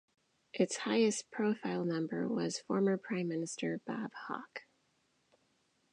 Its highest-profile member was former Prime Minister Bob Hawke.